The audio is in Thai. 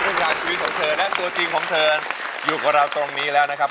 ทางชีวิตของเธอและตัวจริงของเธออยู่กับเราตรงนี้แล้วนะครับ